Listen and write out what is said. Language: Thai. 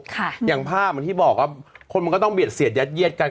อย่างภาพเหมือนที่บอกว่าคนมันก็ต้องเบียดเสียดยัดเยียดกัน